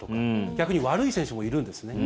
逆に悪い選手もいるんですね。